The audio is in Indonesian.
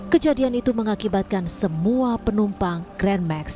kejadian itu mengakibatkan semua penumpang grand max